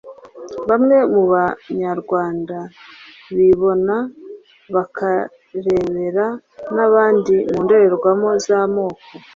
Bamwe mu banyarwanda bibona bakarebera n abandi mu ndorerwamo z amoko